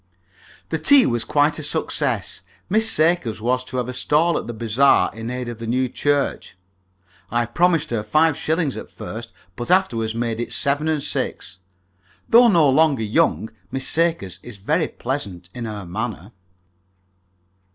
The tea was quite a success. Miss Sakers was to have a stall at the bazaar in aid of the new church. I promised her five shillings at first, but afterward made it seven and six. Though no longer young, Miss Sakers is very pleasant in her manner.